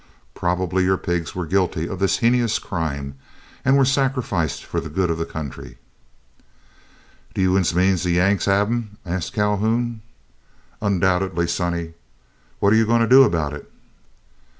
Probably your pigs were guilty of this heinous crime, and were sacrificed for the good of the country." "Do yo uns mean the Yanks hev 'em?" asked Calhoun. "Undoubtedly, sonny. What are you going to do about it?"